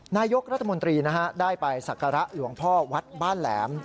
นายกรัฐมนตรีได้ไปสักการะหลวงพ่อวัดบ้านแหลม